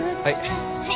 はい。